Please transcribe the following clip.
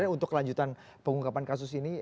untuk kelanjutan pengungkapan kasus ini